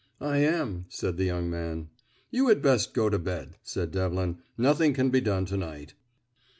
"I am," said the young man. "You had best go to bed," said Devlin; "nothing can be done to night."